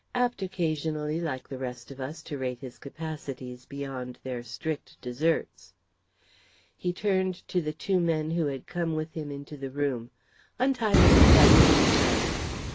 Apt, occasionally, like the rest of us, to rate his capacities beyond their strict deserts." He turned to the two men who had come with him into the room. "Untie Mr. Paxton's legs."